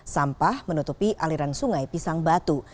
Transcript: sampah menutupi aliran sungai pisang batu